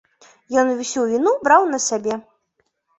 Ён усю віну браў на сябе.